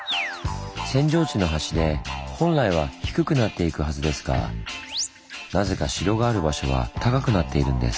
扇状地の端で本来は低くなっていくはずですがなぜか城がある場所は高くなっているんです。